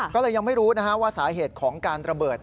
ก็เลยยังไม่รู้ว่าสาเหตุของการระเบิด